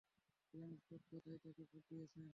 গ্রামের সব গাধায় তাকে ভোট দিয়েছে।